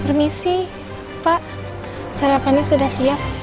permisi pak sarapannya sudah siap